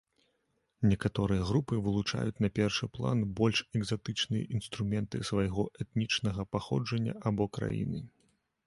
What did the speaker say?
Некаторыя групы вылучаюць на першы план больш экзатычныя інструменты свайго этнічнага паходжання або краіны.